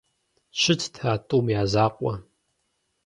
Щытт а тӀум я закъуэ.